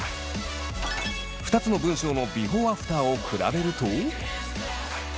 ２つの文章のビフォーアフターを比べると。